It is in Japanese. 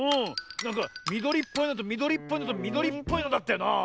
なんかみどりっぽいのとみどりっぽいのとみどりっぽいのだったよなあ。